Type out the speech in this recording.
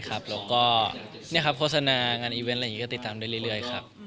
แล้วก็โฆษณางานอีเว้นต์แบบนี้ติดตามได้เรื่อย